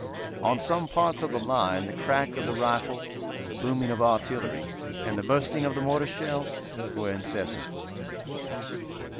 On some parts of the line the crack of the rifle, the booming of artillery, and the bursting of the mortar shells were incessant.